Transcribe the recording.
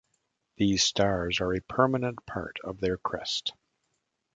These stars are a permanent part of their crest.